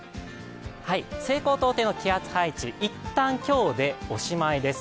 西高東低の気圧配置、一旦今日でおしまいです。